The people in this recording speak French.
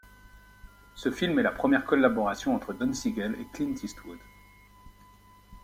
Ce film est la première collaboration entre Don Siegel et Clint Eastwood.